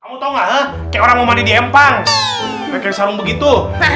kamu tahu nggak ke orang mau mandi di empang pakai salam begitu